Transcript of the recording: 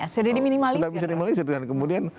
sudah di minimalisir kemudian